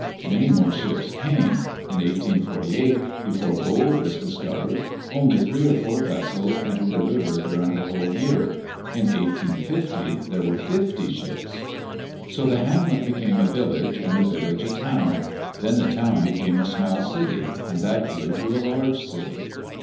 Many more ships came. In 1848, before gold was discovered, only three or four vessels entered the river during the whole year. In 1850, there were fifty ships. So the hamlet became a village, and the village a town; then the town became a small city, and that grew to a large city.